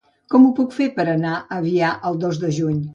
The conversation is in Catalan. Com ho puc fer per anar a Avià el dos de juny?